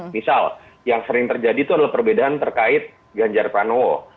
misal yang sering terjadi itu adalah perbedaan terkait ganjar pranowo